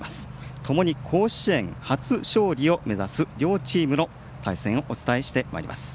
ともに甲子園初勝利を目指す両チームの対戦をお伝えします。